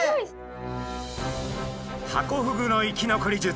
ハコフグの生き残り術